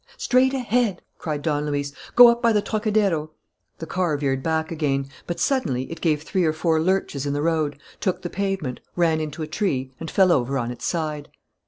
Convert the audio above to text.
"Straight ahead!" cried Don Luis. "Go up by the Trocadéro." The car veered back again. But suddenly it gave three or four lurches in the road, took the pavement, ran into a tree and fell over on its side.